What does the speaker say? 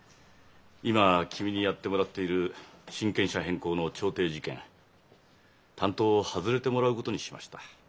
今君にやってもらっている親権者変更の調停事件担当を外れてもらうことにしました。